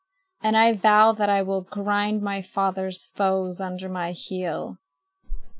And I vow that I will grind my father's foes under my heel."